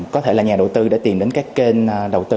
có thể là nhà đầu tư đã tìm đến các kênh đầu tư